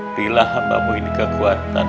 berilah hambamu ini kekuatan